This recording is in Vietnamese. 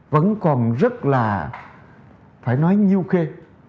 vẫn còn rất là phải nói nhiêu khê